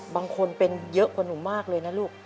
บางคนเป็นเยอะกว่าหนูมากเลยนะลูก